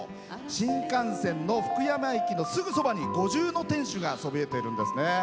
新幹線の福山駅のすぐそばに五重の天守がそびえてるんですね。